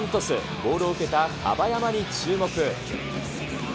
ボールを受けた樺山に注目。